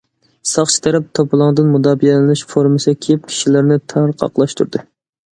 ساقچى تەرەپ توپىلاڭدىن مۇداپىئەلىنىش فورمىسى كىيىپ، كىشىلەرنى تارقاقلاشتۇردى.